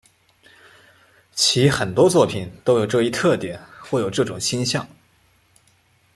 其很多作品都有这一特点或有这种倾向。